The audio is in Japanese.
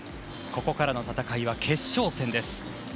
ここからの戦いは決勝戦です。